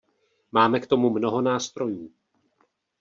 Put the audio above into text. Máme k tomu mnoho nástrojů.